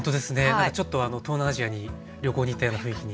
なんかちょっと東南アジアに旅行に行ったような雰囲気に。